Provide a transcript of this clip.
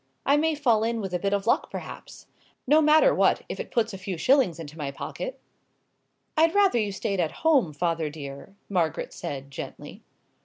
I may fall in with a bit of luck, perhaps; no matter what, if it puts a few shillings into my pocket." "I'd rather you stayed at home, father dear," Margaret said, gently.